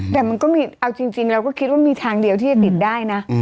แต่มันก็มีเอาจริงเราก็คิดว่ามีทางเดียวที่จะติดได้นะ